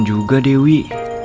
gue juga mau rara kayak lo